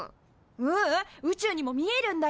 ううん宇宙にも見えるんだよ。